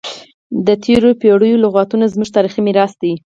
د تیرو پیړیو لغتونه زموږ تاریخي میراث دی.